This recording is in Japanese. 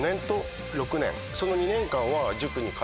その２年間は。